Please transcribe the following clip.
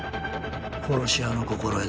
殺し屋の心得だ。